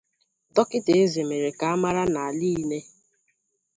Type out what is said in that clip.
Dọkịta Eze mere ka a mara na niile